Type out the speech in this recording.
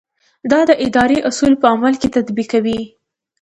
دا د ادارې اصول په عمل کې تطبیقوي.